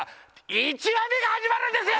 １話目が始まるんですよ